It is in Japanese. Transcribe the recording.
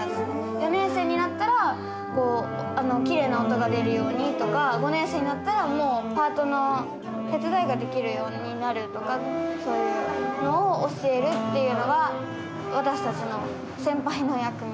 ４年生になったらこうきれいな音が出るようにとか５年生になったらもうパートの手伝いができるようになるとかそういうのを教えるっていうのが私たちの先輩の役目。